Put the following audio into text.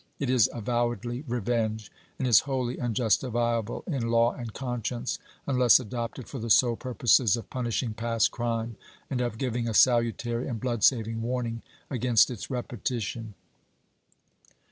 It is avowedly revenge; and is wholly unjustifiable, in law and conscience, unless adopted for the sole purposes of punishing past crime and of giving a salutary and blood sa\ang warning against its repetition."